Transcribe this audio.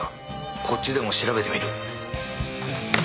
こっちでも調べてみる。